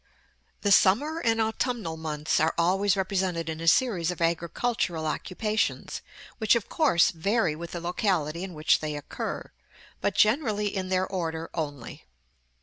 The summer and autumnal months are always represented in a series of agricultural occupations, which, of course, vary with the locality in which they occur; but generally in their order only.